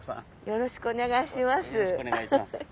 よろしくお願いします。